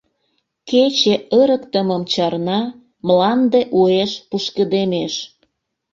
Кече ырыктымым чарна, мланде уэш пушкыдемеш.